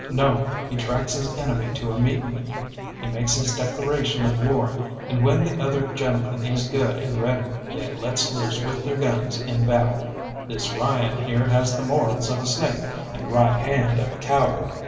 No, he tracks his enemy to a meeting; he makes his declaration of war, and when the other gentleman is good and ready, they lets loose with their guns in battle. This Ryan here has the morals of a snake and the right hand of a coward."